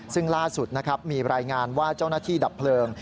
ซึ่งล่าสุดนะครับมีรายงานว่าเจ้าหน้าที่ดับเพลิง